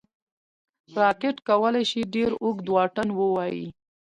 راکټ کولی شي ډېر اوږد واټن ووايي